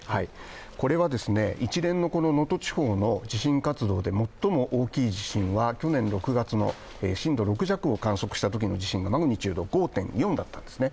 これは一連の能登地方の地震活動で最も大きい地震は去年６月の震度６弱を観測したときがマグニチュード５．４だったんですね